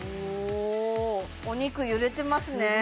おおお肉揺れてますね